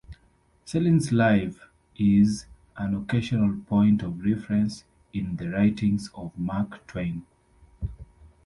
Cellini's life is an occasional point of reference in the writings of Mark Twain.